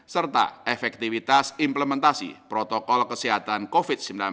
serta efektivitas implementasi protokol kesehatan covid sembilan belas di era kenormalan baru